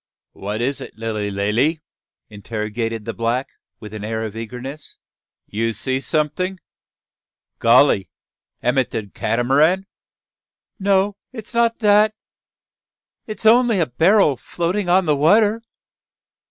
"Wha is it, Lilly Lally?" interrogated the black, with an air of eagerness; "you see someting. Golly! am it de Cat'maran?" "No, it is not that. It's only a barrel floating on the water."